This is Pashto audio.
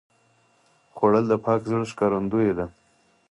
خوړل د پاک زړه ښکارندویي ده